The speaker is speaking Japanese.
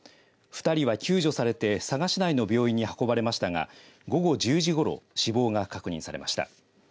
２人は救助されて佐賀市内の病院に運ばれましたが午後１０時ごろ死亡が確認されました。